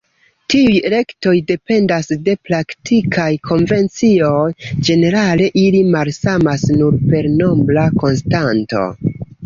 Tiuj elektoj dependas de praktikaj konvencioj, ĝenerale ili malsamas nur per nombra konstanto.